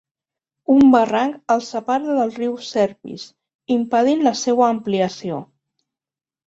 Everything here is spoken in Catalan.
Un barranc el separa del riu Serpis, impedint la seua ampliació.